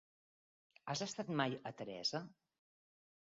Has estat mai a Teresa?